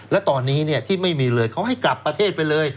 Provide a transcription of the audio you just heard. และตอนนี้ที่ไม่มีเลยเขาให้กลับประเทศไปเลย